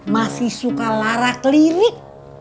masih suka larak lirik